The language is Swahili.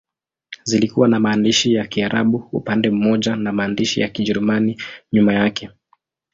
Zilikuwa na maandishi ya Kiarabu upande mmoja na maandishi ya Kijerumani nyuma yake.